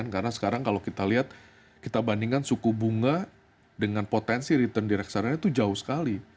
karena sekarang kalau kita lihat kita bandingkan suku bunga dengan potensi return di reksadana itu jauh sekali